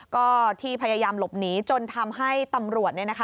ก็ที่พยายามหลบหนีจนทำให้ตำรวจ